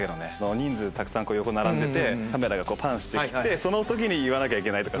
人数たくさん横に並んでてカメラがこうパンして来てその時に言わなきゃいけないとか。